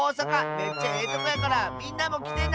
めっちゃええとこやからみんなもきてな！